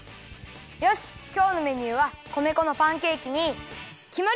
よしきょうのメニューは米粉のパンケーキにきまり！